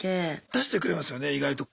出してくれますよね意外と。